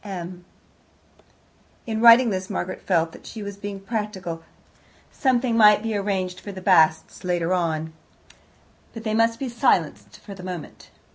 M In writing this, Margaret felt that she was being practical. Something might be arranged for the Basts later on, but they must be silenced for the moment.